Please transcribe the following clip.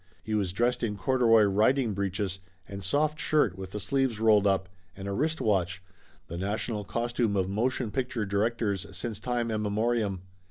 He was dressed in corduroy riding breeches, and soft shirt with the sleeves rolled up, and a wrist watch, the national cos tume of motion picture directors since time immemo rium.